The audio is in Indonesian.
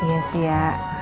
iya sih ya